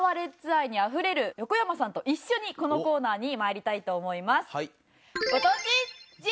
愛にあふれる横山さんと一緒にこのコーナーに参りたいと思います。